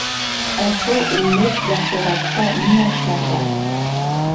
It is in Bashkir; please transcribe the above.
Ә шул илле өс дәҡиғәттә нимә эшләргә?